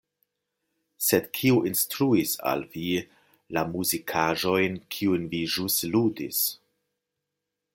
Sed kiu instruis al vi la muzikaĵojn, kiujn vi ĵus ludis.